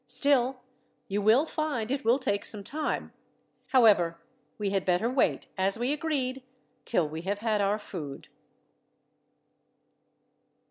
Still, you will find it will take some time. However, we had better wait, as we agreed, till we have had our food."